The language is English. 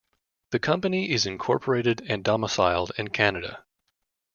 The Company is incorporated and domiciled in Canada.